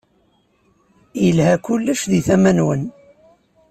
Yelha kullec di tama-nwen.